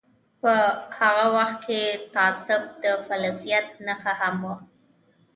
په هغه وخت کې تعصب د فضیلت نښه هم وه.